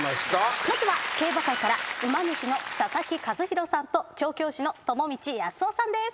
まずは競馬界から馬主の佐々木主浩さんと調教師の友道康夫さんです。